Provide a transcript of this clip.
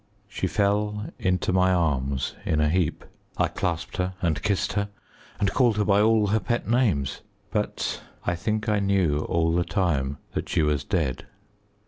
She fell into my arms in a heap. I clasped her and kissed her, and called her by all her pet names, but I think I knew all the time that she was dead.